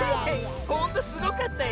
ほんとすごかったよ。